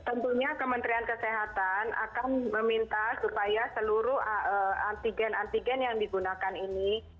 tentunya kementerian kesehatan akan meminta supaya seluruh antigen antigen yang digunakan ini